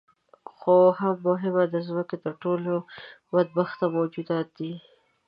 خو هم مهاله د ځمکې تر ټولو بدبخته موجودات دي.